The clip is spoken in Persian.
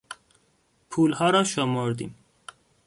پولها را شمردیم.